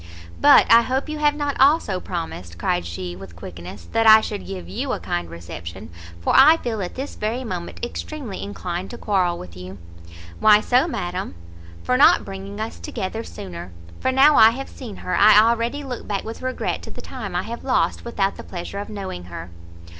"But I hope you have not also promised," cried she, with quickness, "that I should give you a kind reception, for I feel at this very moment extremely inclined to quarrel with you." "Why so, madam?" "For not bringing us together sooner; for now I have seen her, I already look back with regret to the time I have lost without the pleasure of knowing her."